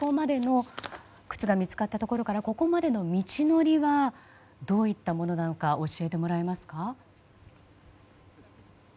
靴が見つかったところからここまでの道のりはどういったものなのか教えてもらえますか？